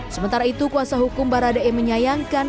sementara itu kuasa hukum baradae menyayangkan